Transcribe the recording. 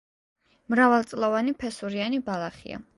მრავალწლოვანი ფესურიანი ბალახია.